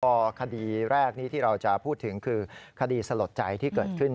ก็คดีแรกนี้ที่เราจะพูดถึงคือคดีสลดใจที่เกิดขึ้น